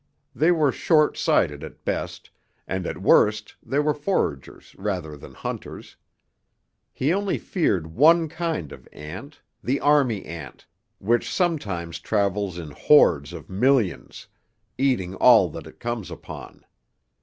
They were short sighted at best, and at worst they were foragers rather than hunters. He only feared one kind of ant, the army ant, which sometimes travels in hordes of millions, eating all that it comes upon.